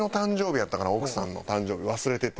奥さんの誕生日忘れてて。